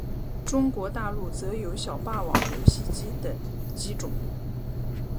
中国大陆则有小霸王游戏机等机种。